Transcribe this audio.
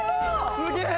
すげえ！